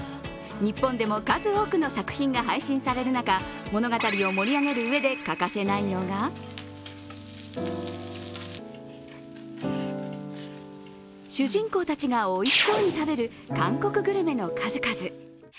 日本でも数多くの作品が配信される中、物語を盛り上げるうえで欠かせないのが主人公たちがおいしそうに食べる韓国グルメの数々。